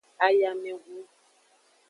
Ayamehun.